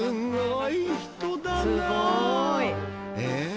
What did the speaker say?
［え？